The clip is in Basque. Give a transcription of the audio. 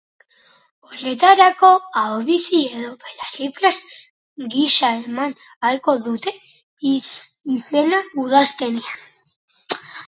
Horretarako, ahobizi edo belarriprest gisa eman ahalko dute izena udazkenean.